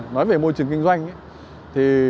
nói về môi trường kinh doanh thì